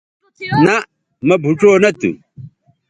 نہء مہ بھوڇؤ نہ تھو